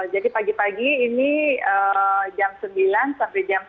jadi pagi pagi ini jam sembilan sampai jam sepuluh